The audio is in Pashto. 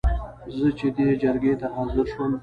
زه چې دې جرګې ته حاضر شوم.